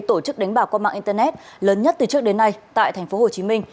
tổ chức đánh bạc qua mạng internet lớn nhất từ trước đến nay tại tp hcm